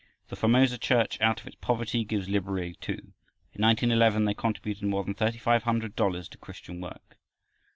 The Formosa Church out of its poverty gives liberally too. In 1911 they contributed more than thirty five hundred dollars to Christian work.